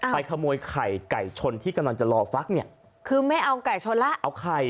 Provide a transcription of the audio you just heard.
ขโมยไข่ไก่ชนที่กำลังจะรอฟักเนี่ยคือไม่เอาไก่ชนแล้วเอาไข่